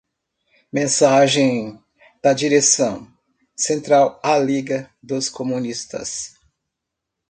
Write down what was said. Mensagem da Direcção Central à Liga dos Comunistas